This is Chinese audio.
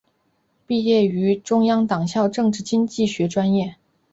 毕业于中央党校政治经济学专业。